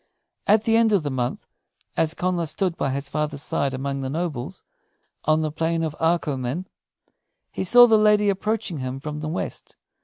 At the end of the month, as Connla stood by his father's side among the nobles, on the Plain of Arcomin, he saw the lady approaching him from the west.